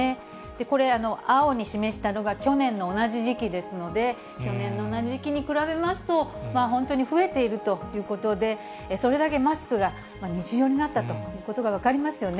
これ、青に示したのが去年の同じ時期ですので、去年の同じ時期に比べますと、本当に増えているということで、それだけマスクが日常になったということが分かりますよね。